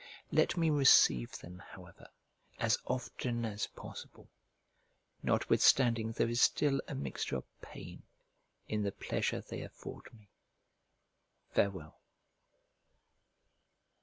Let me receive them, however, as often as possible, notwithstanding there is still a mixture of pain in the pleasure they afford me. Farewell.